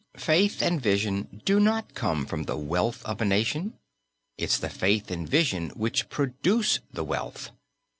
Faith and vision do not come from the wealth of a nation. It's the faith and vision which produce the wealth.